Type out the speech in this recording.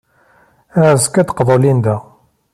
Azekka, ad d-teqḍu Linda.